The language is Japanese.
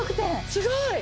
すごい。